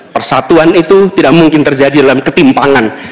persatuan itu tidak mungkin terjadi dalam ketimpangan